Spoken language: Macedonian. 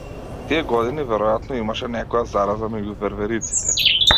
Тие години веројатно имаше некоја зараза меѓу вервериците.